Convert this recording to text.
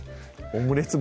オムレツ